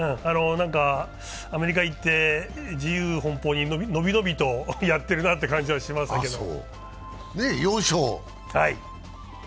アメリカへ行って自由奔放に伸び伸びとやっている感じがしましたけれども。